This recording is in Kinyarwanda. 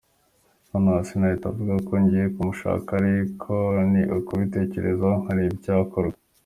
Nonaha sinahita mvuga ko ngiye kumushaka ariko ni ukubitekerezaho nkareba icyakorwa”.